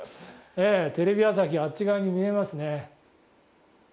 テレビ朝日あっち側に見えますね。